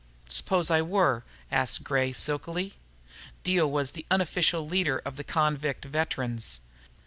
"Suppose I were?" asked Gray silkily. Dio was the unofficial leader of the convict veterans.